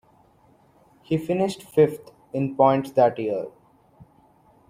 He finished fifth in points that year.